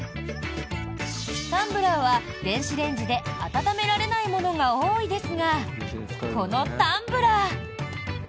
タンブラーは電子レンジで温められないものが多いですがこのタンブラー。